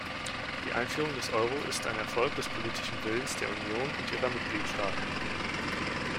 Die Einführung des Euro ist ein Erfolg des politischen Willens der Union und ihrer Mitgliedstaaten.